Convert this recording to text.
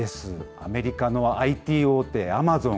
アメリカのＩＴ大手、アマゾン。